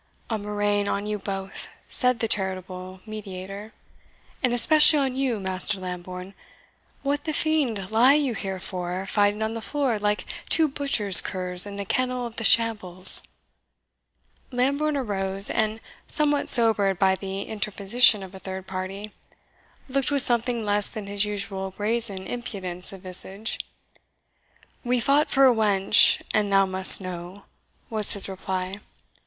"A murrain on you both," said the charitable mediator, "and especially on you, Master Lambourne! What the fiend lie you here for, fighting on the floor like two butchers' curs in the kennel of the shambles?" Lambourne arose, and somewhat sobered by the interposition of a third party, looked with something less than his usual brazen impudence of visage. "We fought for a wench, an thou must know," was his reply.